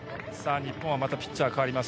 日本はまたピッチャーが代わります。